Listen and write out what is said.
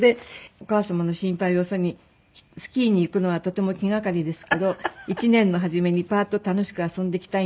「お母様の心配をよそにスキーに行くのはとても気がかりですけど１年の初めにパーッと楽しく遊んできたいんです」